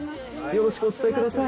よろしくお伝えください。